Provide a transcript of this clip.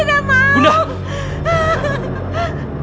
ini tidak mungkin terjadi